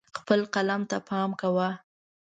خپل قلم ته پام کوه.